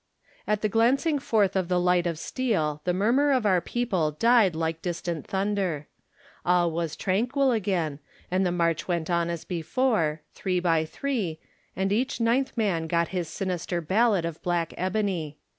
At the glancing forth of the light of steel the murmur of our people died like distant thunder. All was tranquil again and the march went on as before, three by three, and each ninth man got his sinister ballot of black ebony.